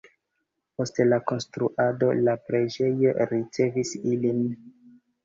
Post la konstruado la preĝejo ricevis ilin.